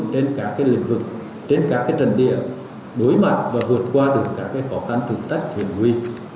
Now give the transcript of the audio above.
trên các lĩnh vực trên các trần địa đối mặt và vượt qua từ các khó khăn thử thách hiện huy